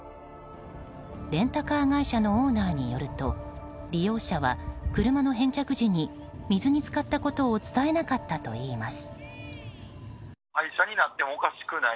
レンタカー会社のオーナーによると、利用者は車の返却時に水に浸かったことを伝えなかったといいます。